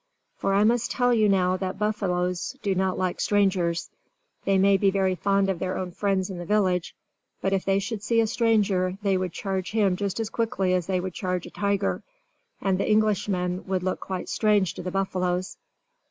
For I must tell you now that buffaloes do not like strangers. They may be very fond of their own friends in the village; but if they should see a stranger, they would charge him just as quickly as they would charge a tiger. And the Englishmen would look quite strange to the buffaloes.